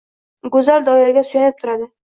Go‘zal doiraga suyanib turadi.